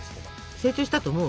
成長したと思う？